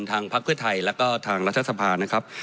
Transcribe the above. พักเพื่อไทยแล้วก็ทางรัฐสภานะครับ